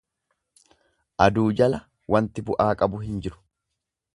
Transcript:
aduu jala wanti bu'aa qabu hin jiru.